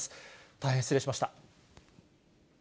大変失礼しました。